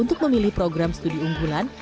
untuk memilih program studi unggulan